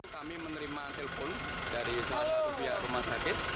kami menerima telepon dari salah satu pihak rumah sakit